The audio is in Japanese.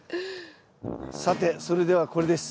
さてそれではこれです。